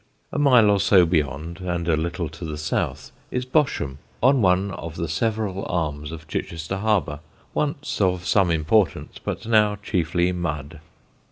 A mile or so beyond, and a little to the south, is Bosham, on one of the several arms of Chichester Harbour, once of some importance but now chiefly mud.